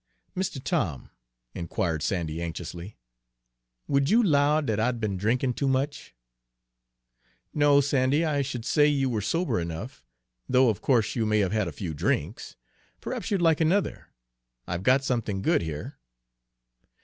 "Mistuh Tom," inquired Sandy anxiously, "would you 'low dat I'd be'n drinkin' too much?" "No, Sandy, I should say you were sober enough, though of course you may have had a few drinks. Perhaps you'd like another? I've got something good here."